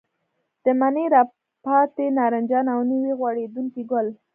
د مني راپاتې نارنجان او نوي غوړېدونکي ګل.